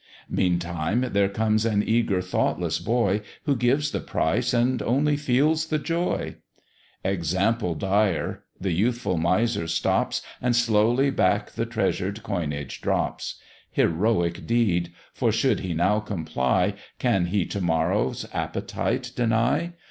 Meantime there comes an eager thoughtless boy, Who gives the price and only feels the joy: Example dire: the youthful miser stops And slowly back the treasured coinage drops: Heroic deed! for should he now comply, Can he tomorrow's appetite deny?